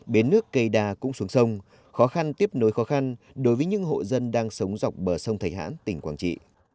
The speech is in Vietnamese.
bến nước cây đà cũng xuống sông khó khăn tiếp nối khó khăn đối với những hộ dân đang sống dọc bờ sông thạch hãn tỉnh quảng trị